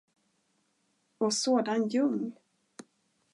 Och sådan ljung!